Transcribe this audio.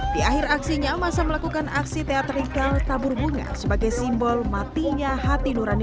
di akhir aksinya masa melakukan aksi teatrikal tabur bunga sebagai simbol matinya hati nurani